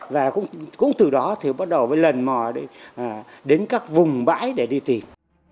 và cũng từ đó thì bắt đầu với lần mò đi đến các vùng bãi để đi tìm